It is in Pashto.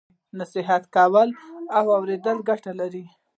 نصیحت کول او اوریدل ګټه لري.